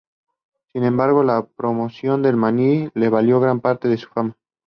Sin embargo, la promoción del maní le valió gran parte de su fama.